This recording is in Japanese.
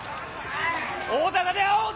大高で会おうぞ！